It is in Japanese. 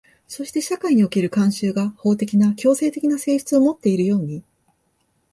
そして社会における慣習が法的な強制的な性質をもっているように、